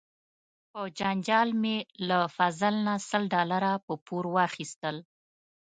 په جنجال مې له فضل نه سل ډالره په پور واخیستل.